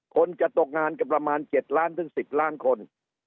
คนจะตกงานกันประมาณ๗ล้านถึง๑๐ล้านคน